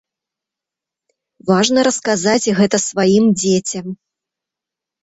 Важна расказаць гэта сваім дзецям.